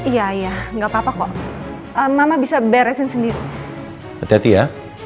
iya iya nggak apa apa kok mama bisa beresin sendiri hati hati ya